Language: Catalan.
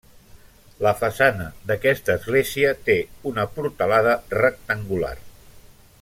La façana d'aquesta església té una portalada rectangular.